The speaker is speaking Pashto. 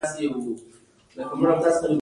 د بوهم پټ متغیر تیوري وه.